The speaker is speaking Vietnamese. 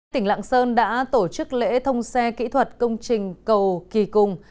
tỉnh lạng sơn đã tổ chức lễ thông xe kỹ thuật công trình cầu kỳ cùng